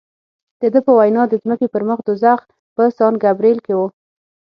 د ده په وینا د ځمکې پر مخ دوزخ په سان ګبرېل کې و.